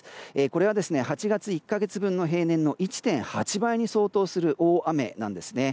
これは８月１か月分の平年の１．８倍に相当する大雨なんですね。